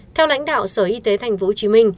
theo lãnh đạo sở y tế tp hcm